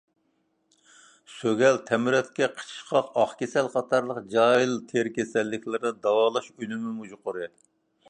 سۆگەل، تەمرەتكە، قىچىشقاق، ئاق كېسەل قاتارلىق جاھىل تېرە كېسەللىكلەرنى داۋالاش ئۈنۈمىمۇ يۇقىرى.